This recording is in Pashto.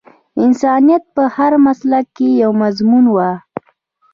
انسانيت په هر مسلک کې یو مضمون وای